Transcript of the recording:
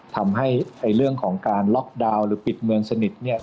ทำให้เรื่องของการล็อกดาวน์หรือปิดเมืองสนิทเนี่ย